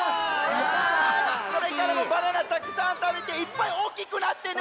これからもバナナたくさんたべていっぱいおおきくなってね。